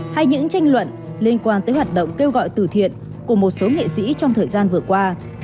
hay những tranh luận liên quan tới hoạt động kêu gọi từ thiện của một số nghệ sĩ trong thời gian vừa qua